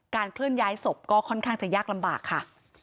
เคลื่อนย้ายศพก็ค่อนข้างจะยากลำบากค่ะ